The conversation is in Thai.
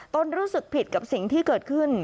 รู้สึกผิดกับสิ่งที่เกิดขึ้น